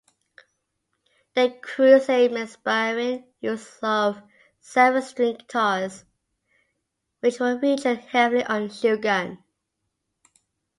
"The Crusade" made sparing use of seven-string guitars, which were featured heavily on "Shogun".